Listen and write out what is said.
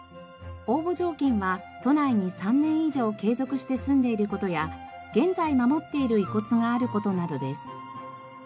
応募条件は都内に３年以上継続して住んでいる事や現在守っている遺骨がある事などです。